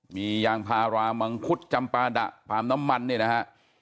มียางพาราบางคุศจัมปราดะภาพน้ำมันนี่นะฮะ